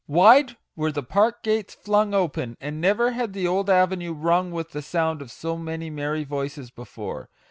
Wide were the park gates flung open, and never had the old avenue rung with the sound of so many merry voices before.